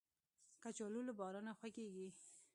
کچالو له بارانه خوښیږي